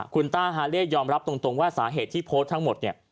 คุณต้าฮาเล่ยอมรับตรงว่าสาเหตุที่โพสต์ทั้งหมดเนี่ย